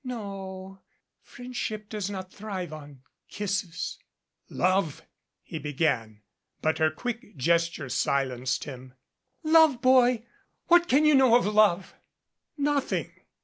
"No friendship does not thrive on kisses." "Love " he began. But her quick gesture silenced him. "Love, boy ! What can you know of love !" "Nothing.